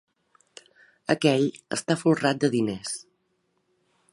Aquell està folrat de diners.